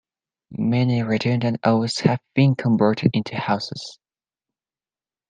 Many redundant oasts have been converted into houses.